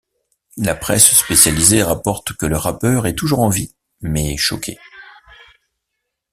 La presse spécialisée rapporte que le rappeur est toujours en vie, mais choqué.